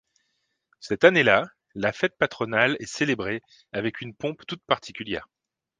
Cette année-là la fête patronale est célébrée avec une pompe toute particulière.